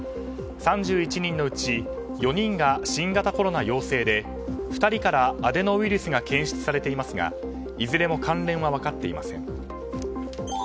３１人のうち、４人が新型コロナ陽性で２人からアデノウイルスが検出されていますがいずれも関連は分かっていません。